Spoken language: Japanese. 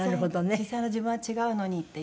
実際の自分は違うのにっていう。